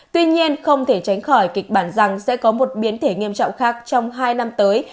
tuy nhiên không thể tránh khỏi kịch bản rằng sẽ có một biến thể nghiêm trọng khác trong hai năm tới